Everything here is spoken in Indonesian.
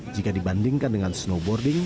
jika dibandingkan dengan snowboarding